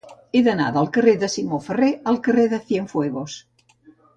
He d'anar del carrer de Simó Ferrer al carrer de Cienfuegos.